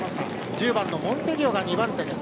１０番モンテディオが２番手。